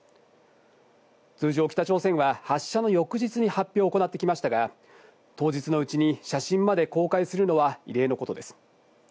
通常、北朝鮮は発射の翌日に発表を行ってきましたが、当日のうちに写真まで公開するのは異例のことです。